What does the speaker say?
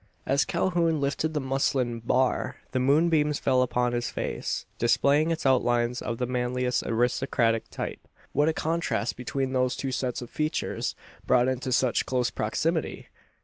As Calhoun lifted the muslin "bar," the moonbeams fell upon his face, displaying its outlines of the manliest aristocratic type. What a contrast between those two sets of features, brought into such close proximity!